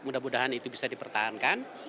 mudah mudahan itu bisa dipertahankan